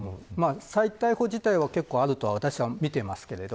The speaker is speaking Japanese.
再逮捕自体は、結構あると私は見ています。